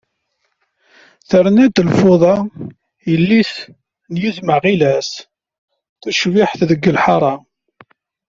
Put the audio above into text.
Terna-d lfuḍa, yelli-s n yizem aɣilas tucbiḥt deg lḥara.